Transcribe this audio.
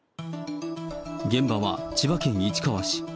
現場は、千葉県市川市。